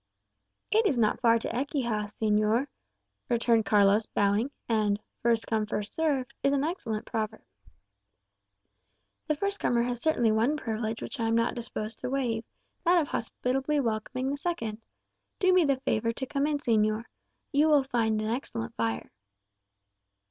"It is not far to Ecija, señor," returned Carlos, bowing. "And 'First come first served,' is an excellent proverb." "The first comer has certainly one privilege which I am not disposed to waive that of hospitably welcoming the second. Do me the favour to come in, señor. You will find an excellent fire."